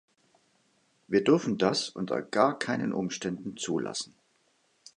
Wir dürfen das unter gar keinen Umständen zulassen.